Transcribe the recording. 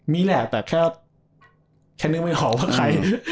มีแหละแต่แค่นึกไม่ออกว่าใคร